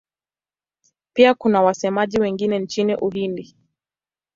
Pia kuna wasemaji wengine nchini Uhindi.